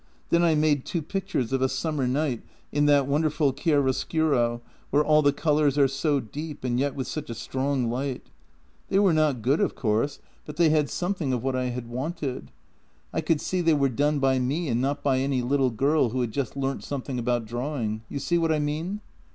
Then I made two pictures of a summer night in that wonderful chiaro scuro, where all the colours are so deep and yet with such a strong light. They were not good, of course, but they had JENNY 6 5 something of what I had wanted. I could see they were done by me and not by any little girl who had just learnt something about drawing. You see what I mean?